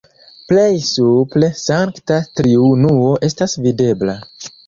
Plej supre Sankta Triunuo estas videbla.